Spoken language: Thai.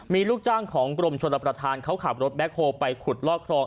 มีลูกจ้างของกรมชนประธานเขาขับรถแบ็คโฮลไปขุดลอกครอง